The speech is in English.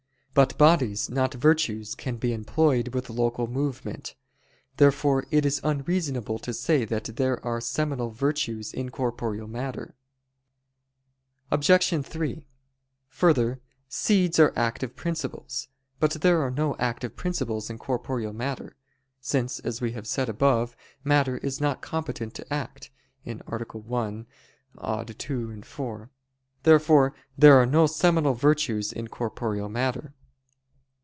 But bodies, not virtues, can be employed with local movement. Therefore it is unreasonable to say that there are seminal virtues in corporeal matter. Obj. 3: Further, seeds are active principles. But there are no active principles in corporeal matter; since, as we have said above, matter is not competent to act (A. 1, ad 2, 4). Therefore there are no seminal virtues in corporeal matter.